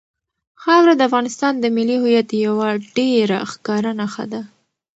خاوره د افغانستان د ملي هویت یوه ډېره ښکاره نښه ده.